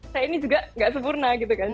saya ini juga nggak sempurna gitu kan